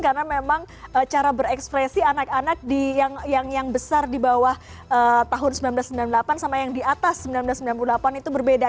karena memang cara berekspresi anak anak yang besar di bawah tahun seribu sembilan ratus sembilan puluh delapan sama yang di atas seribu sembilan ratus sembilan puluh delapan itu berbeda